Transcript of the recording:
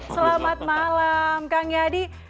selamat malam kang yadi